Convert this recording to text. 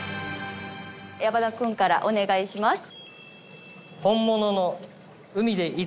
矢花君からお願いします。